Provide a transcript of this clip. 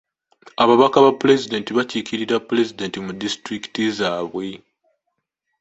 Ababaka ba pulezidenti bakiikirira pulezidenti mu disitulikiti zaabwe.